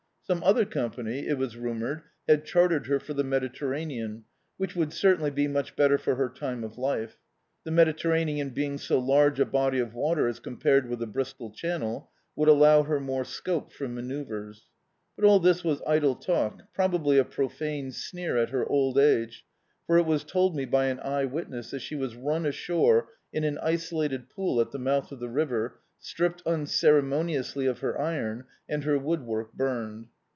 Some other company, it was rumoured, had chartered her for the Mediterranean, which would certainly be much better for her time of life; the Mediterranean being so large a body of water as compared with the Bristol Channel, would allow her more scope for manoeuvres. But all this was idle talk, probably a profane sneer at her old age, for it was told me by an eye witness, that she was run ashore in an isolated pool at the mouth of the river, stripped unceremoniously of her iron, and her wood work burned.